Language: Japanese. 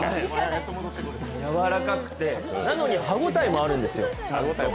柔らかくてなのに歯応えもあるんですよ。